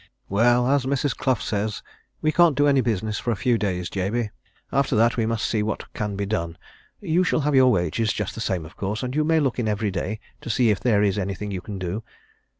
"Well, as Mrs. Clough says, we can't do any business for a few days, Jabey after that we must see what can be done. You shall have your wages just the same, of course, and you may look in every day to see if there's anything you can do.